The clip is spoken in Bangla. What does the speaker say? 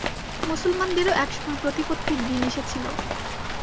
মুসলমানদেরও একসময় প্রতিপত্তির দিন এসেছিল।